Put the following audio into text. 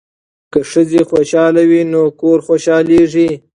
که ښځې خوشحاله وي نو کور خوشحالیږي.